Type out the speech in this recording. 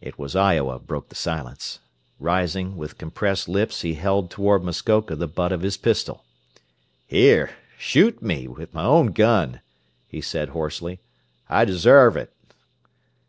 It was Iowa broke the silence. Rising, with compressed lips he held toward Muskoka the butt of his pistol. "Here, shoot me with my own gun!" he said hoarsely. "I deserve it."